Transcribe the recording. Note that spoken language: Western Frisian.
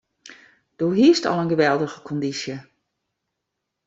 Doe hiest al in geweldige kondysje.